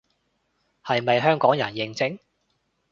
係咪香港人認證